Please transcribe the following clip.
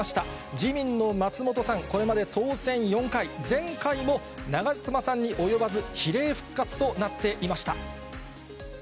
自民の松本さん、これまで当選４回、前回も長妻さんに及ばず、比例復活となっていました。